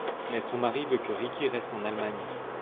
Mais son mari veut que Ricky reste en Allemagne.